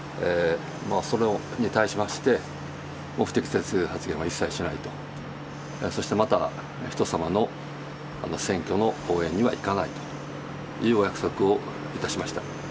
それに対しまして、不適切発言は一切しないと、そしてまた、人様の選挙の応援には行かないというお約束をいたしました。